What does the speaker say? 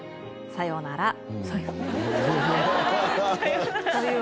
さよなら。